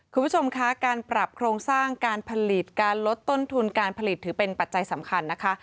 คุณผู้ชมคะการปรับโครงสร้างการผลิตการลดต้นทุนการผลิตถือเป็นปัจจัยสำคัญนะคะ